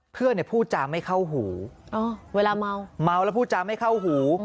เพื่อนเนี่ยพูดจาไม่เข้าหูเวลาเมาเมาแล้วพูดจาไม่เข้าหู